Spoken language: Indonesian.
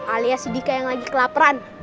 alias si dika yang lagi kelaparan